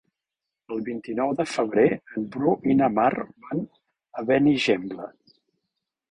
El vint-i-nou de febrer en Bru i na Mar van a Benigembla.